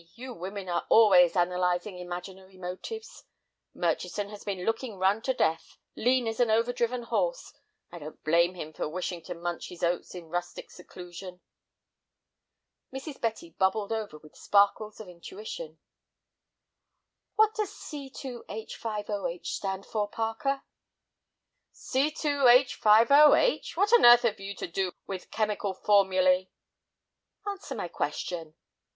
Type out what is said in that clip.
You women are always analyzing imaginary motives. Murchison has been looking run to death, lean as an overdriven horse. I don't blame him for wishing to munch his oats in rustic seclusion." Mrs. Betty bubbled over with sparkles of intuition. "What does C2H5OH stand for, Parker?" "C2H5OH! What on earth have you to do with chemical formulæ?" "Answer my question."